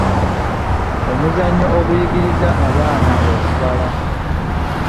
Omuzannyo oguyigiriza abaana okubala.